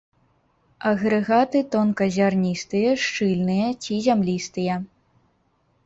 Агрэгаты тонказярністыя, шчыльныя ці зямлістыя.